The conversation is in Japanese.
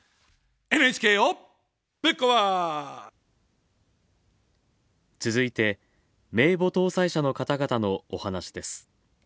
ＮＨＫをぶっ壊続いて、名簿登載者の方々の、お話です。